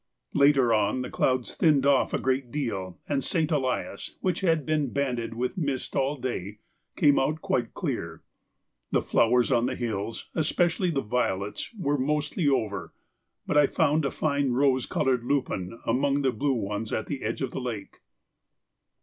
Later on the clouds thinned off a great deal, and St. Elias, which had been banded with mist all day, came out quite clear. The flowers on the hills, especially the violets, were mostly over, but I found a fine rose coloured lupin among the blue ones at the edge of the lake.